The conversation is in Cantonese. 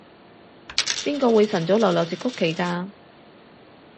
邊個會晨早流流食曲奇㗎？